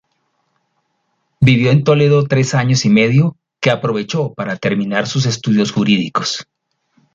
Vivió en Toledo tres años y medio, que aprovechó para terminar sus estudios jurídicos.